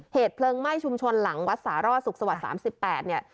เหตุเพลิงไหม้ชุมชนหลังวัดศรสสุขศวร้าว๓๘